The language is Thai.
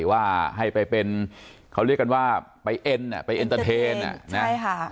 ว่าให้ไปเป็นเขาเรียกกันว่าไปเอ็นไปเอ็นเตอร์เทนอ่ะนะใช่ค่ะ